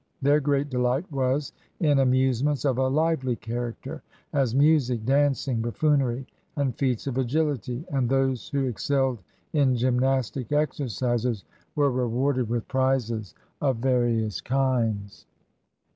Their great delight was in amusements of a lively character, as music, dancing, buffoonery, and feats of agility; and those who excelled in gymnastic exercises were rewarded with prizes of various kinds.